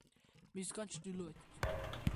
მისგან ჩრდილოეთით და სამხრეთით თითო არქიტრავული ნიშაა.